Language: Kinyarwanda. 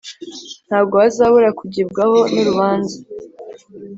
Ntabwo bazabura kugibwaho n’urubanza